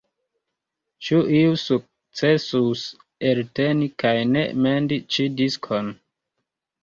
Ĉu iu sukcesus elteni kaj ne mendi ĉi diskon?